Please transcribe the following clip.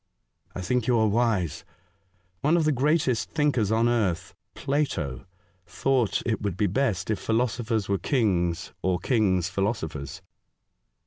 " I think you are wise. One of the greatest thinkers on earth — Plato — thought it would 144 A Voyage to Other Worlds. be best if philosopbers were kings, or kings philosophers.